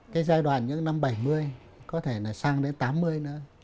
cái giai đoạn những năm bảy mươi có thể là sang đến tám mươi nữa